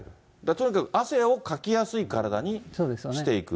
とにかく汗をかきやすい体にしていく。